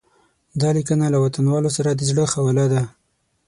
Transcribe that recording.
دا لیکنه له وطنوالو سره د زړه خواله ده.